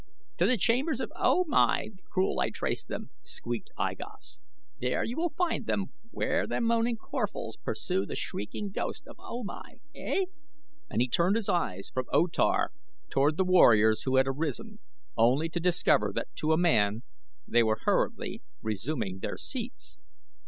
"To the chambers of O Mai the Cruel I traced them," squeaked I Gos. "There you will find them where the moaning Corphals pursue the shrieking ghost of O Mai; ey!" and he turned his eyes from O Tar toward the warriors who had arisen, only to discover that, to a man, they were hurriedly resuming their seats.